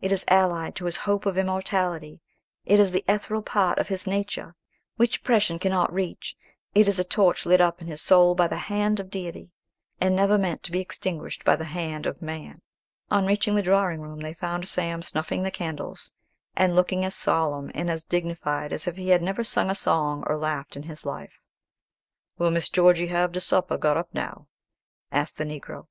It is allied to his hope of immortality; it is the ethereal part of his nature, which oppression cannot reach; it is a torch lit up in his soul by the hand of Deity, and never meant to be extinguished by the hand of man." On reaching the drawing room, they found Sam snuffing the candles, and looking as solemn and as dignified as if he had never sung a song or laughed in his life. "Will Miss Georgy have de supper got up now?" asked the Negro.